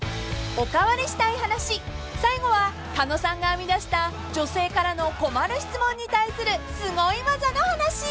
［おかわりしたい話最後は狩野さんが編み出した女性からの困る質問に対するすごい技の話］